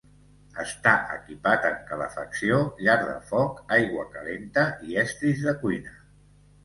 Està equipat amb calefacció, llar de foc, aigua calenta i estris de cuina.